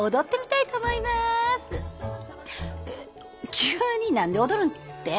急に何で踊るんって？